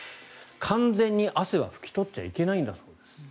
完全に汗は拭き取っちゃいけないんだそうです。